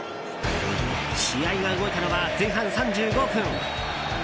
試合が動いたのは前半３５分。